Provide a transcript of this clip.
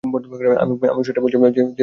আমিও সেটাই বলছিলাম, সে তোমাকে ব্যবহার করছে।